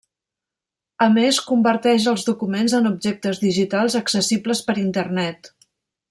A més converteix els documents en objectes digitals accessibles per internet.